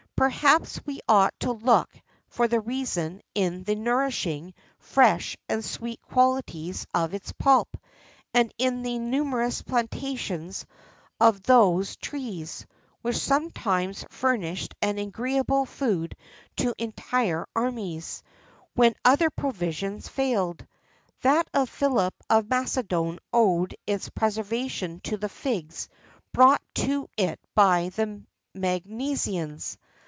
Perhaps we ought to look for the reason in the nourishing, fresh, and sweet qualities of its pulp, and in the numerous plantations of those trees, which sometimes furnished an agreeable food to entire armies, when other provisions failed.[XIII 58] That of Philip of Macedon owed its preservation to the figs brought to it by the Magnesians.